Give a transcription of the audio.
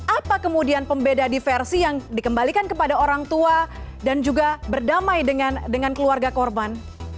apa kemudian pembeda diversi yang dikembalikan kepada orang tua dan juga berdamai dengan keluarga korban